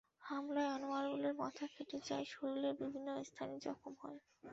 হামলায় আনোয়ারুলের মাথা ফেটে যায় এবং শরীরের বিভিন্ন স্থানে জখম হয়।